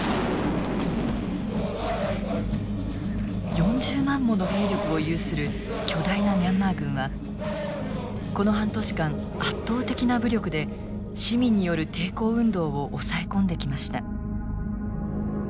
４０万もの兵力を有する巨大なミャンマー軍はこの半年間圧倒的な武力で市民による抵抗運動を抑え込んできました。